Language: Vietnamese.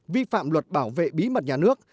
vi phạm luật bảo vệ bí mật nhà nước